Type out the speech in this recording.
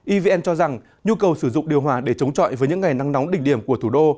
evn cho rằng nhu cầu sử dụng điều hòa để chống chọi với những ngày nắng nóng đỉnh điểm của thủ đô